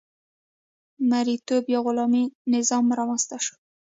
مرئیتوب یا غلامي نظام رامنځته شو.